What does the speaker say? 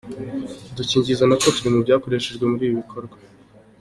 Udukingirizo natwo turi mu byakoreshejwe muri ibi bikorwa.